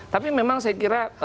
tapi memang saya kira